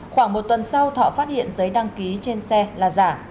khoảng một tuần sau thọ phát hiện giấy đăng ký trên xe là giả